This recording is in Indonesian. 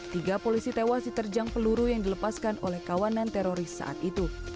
tiga polisi tewas diterjang peluru yang dilepaskan oleh kawanan teroris saat itu